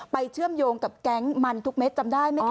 เชื่อมโยงกับแก๊งมันทุกเม็ดจำได้ไหมคะ